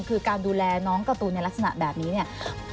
คือการดูแลน้องการ์ตูนในลักษณะแบบนี้เนี่ย